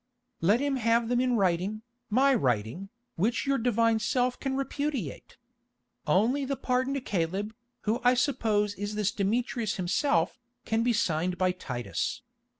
"Let him have them in writing, my writing, which your divine self can repudiate. Only the pardon to Caleb, who I suppose is this Demetrius himself, can be signed by Titus.